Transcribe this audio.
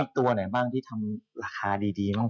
ตัวไหนบ้างที่ทำราคาดีบ้าง